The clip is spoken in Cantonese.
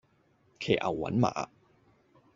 騎牛揾馬